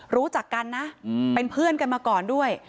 รู้จักกันนะเป็นเพื่อนกันมาก่อนด้วย